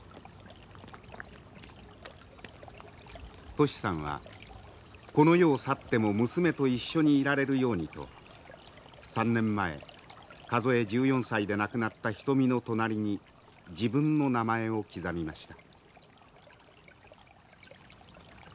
トシさんはこの世を去っても娘と一緒にいられるようにと３年前数え１４歳で亡くなった牟の隣に自分の名前を刻みました。